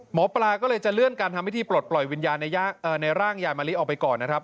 หมอปลาก็เลยจะเลื่อนการทำพิธีปลดปล่อยวิญญาณในร่างยายมะลิออกไปก่อนนะครับ